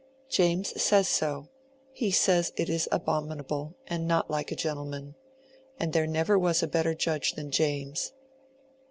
"James says so. He says it is abominable, and not like a gentleman. And there never was a better judge than James.